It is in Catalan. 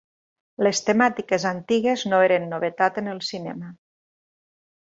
Les temàtiques antigues no eren novetat en el cinema.